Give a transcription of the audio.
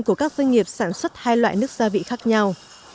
của các doanh nghiệp sản xuất hai loại nước gia vị khác nhau